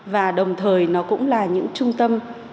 và đồng thời nó cũng là những trung tâm